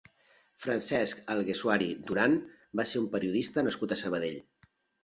Francesc Alguersuari Duran va ser un periodista nascut a Sabadell.